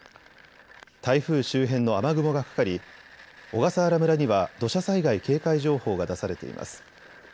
台風周辺の雨雲がかかり小笠原村には土砂災害警戒情報が出されています。